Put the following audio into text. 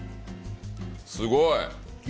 すごい！